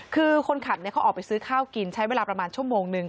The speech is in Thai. คือคนขับเขาออกไปซื้อข้าวกินใช้เวลาประมาณชั่วโมงนึง